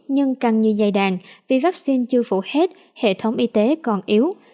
nhưng càng như dày đàn vì vaccine chưa phủ hết hệ thống y tế còn yếu